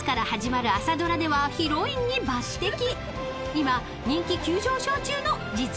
［今］